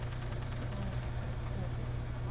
何かツメていきますか。